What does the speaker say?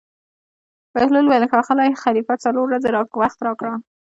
بهلول وویل: ښاغلی خلیفه څلور ورځې وخت راکړه.